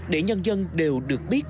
để nhân dân đều được biết